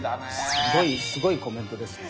すごいすごいコメントですね。